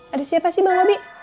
ada siapa sih bang robi